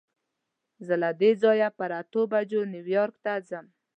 زه له دې ځایه پر اتو بجو نیویارک ته ځم.